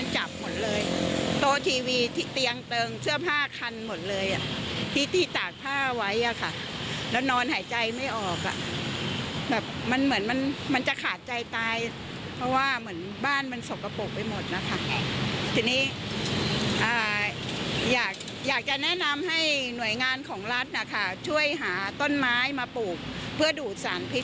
ช่วยหาต้นไม้มาปลูกเพื่อดูดสารพิษ